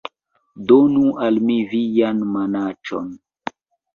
Donu al mi vian manaĉon